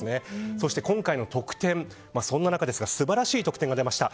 そして今回の得点そんな中ですが素晴らしい得点が出ました。